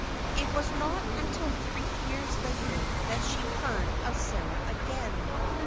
It was not until three years later that she heard of Sarah again.